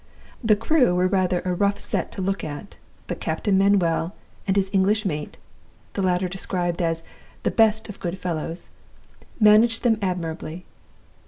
The crew were rather a rough set to look at; but Captain Manuel and his English mate' (the latter described as 'the best of good fellows') 'managed them admirably.